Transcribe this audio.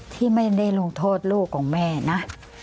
ที่ไม่ได้ลงโทษลูกของแม่นะ